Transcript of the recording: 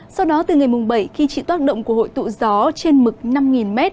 sau đó từ ngày bảy khi chỉ toát động của hội tụ gió trên mực năm m